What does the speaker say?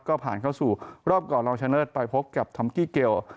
ก็ผ่านเข้าสู่รอบก่อนรองชนะเลิศไปพบกับท็อกกี้เกล